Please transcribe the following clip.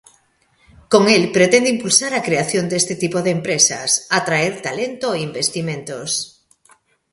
Con el pretende impulsar a creación deste tipo de empresas, atraer talento e investimentos.